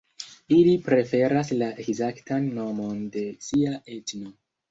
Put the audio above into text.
Ili preferas la ekzaktan nomon de sia etno.